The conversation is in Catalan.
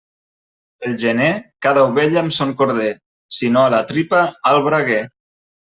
Pel gener, cada ovella amb son corder; si no a la tripa al braguer.